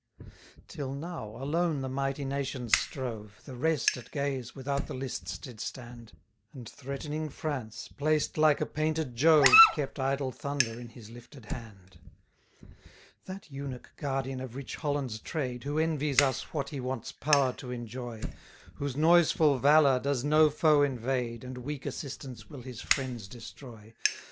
39 Till now, alone the mighty nations strove; The rest, at gaze, without the lists did stand: And threatening France, placed like a painted Jove, Kept idle thunder in his lifted hand. 40 That eunuch guardian of rich Holland's trade, Who envies us what he wants power to enjoy; Whose noiseful valour does no foe invade, And weak assistance will his friends destroy.